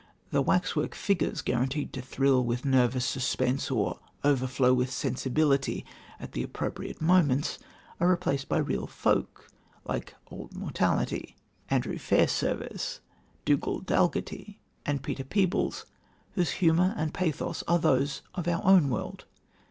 The wax work figures, guaranteed to thrill with nervous suspense or overflow with sensibility at the appropriate moments, are replaced by real folk like "Old Mortality," Andrew Fairservice, Dugald Dalgetty and Peter Peebles, whose humour and pathos are those of our own world.